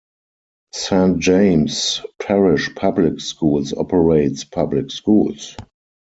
Saint James Parish Public Schools operates public schools.